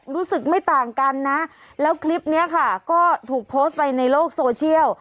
รู้สึกไม่ต่างกันนะแล้วคลิปนี้ค่ะก็ถูกโพสต์ไปในโลกโซเชียล